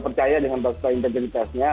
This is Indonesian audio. percaya dengan fakta integritasnya